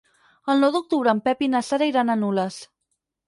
El nou d'octubre en Pep i na Sara iran a Nules.